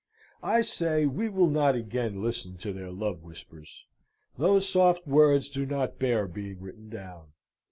I say we will not again listen to their love whispers. Those soft words do not bear being written down.